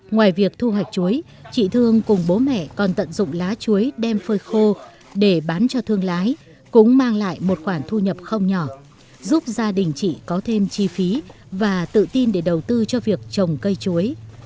ngoài việc thu hoạch chuối chị thương cùng bố mẹ còn tận dụng lá chuối đem phơi khô để bán cho thương lái cũng mang lại một khoản thu nhập không nhỏ giúp gia đình chị có thêm chi phí và tự tin để đầu tư cho việc trồng cây chuối